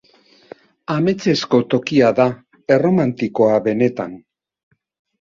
Ametsezko tokia da, erromantikoa benetan.